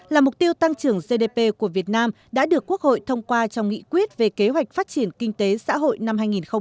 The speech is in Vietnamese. là mục tiêu tăng trưởng gdp của việt nam đã được quốc hội thông qua trong nghị quyết về kế hoạch phát triển kinh tế xã hội năm hai nghìn hai mươi